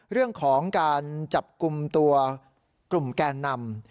เรื่องของการจับกลุ่มตัวกลุ่มแกนนำ